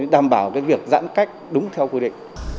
đảm bảo việc giãn cách đúng theo quy định